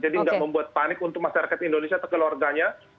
jadi nggak membuat panik untuk masyarakat indonesia atau keluarganya